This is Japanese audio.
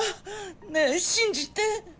ねぇ信じて！